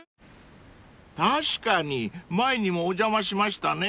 ［確かに前にもお邪魔しましたね］